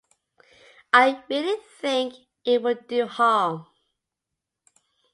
I really think it would do harm.